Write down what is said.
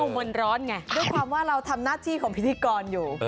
ด้วยความว่าเราทำหน้าที่ของพิธีกรอยู่